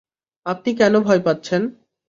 আপনি কেন ভয় পাচ্ছেন?